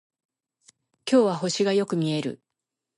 今日は星がよく見える